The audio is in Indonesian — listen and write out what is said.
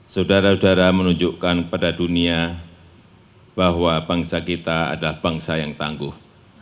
saudara saudara menunjukkan pada dunia bahwa bangsa kita adalah bangsa yang tangguh